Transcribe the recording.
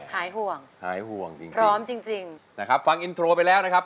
หายห่วงหายห่วงจริงพร้อมจริงจริงนะครับฟังอินโทรไปแล้วนะครับ